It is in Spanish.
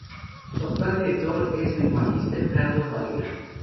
Su actual director es el magíster Carlos Varela.